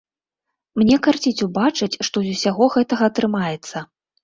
Мне карціць убачыць, што з усяго гэтага атрымаецца.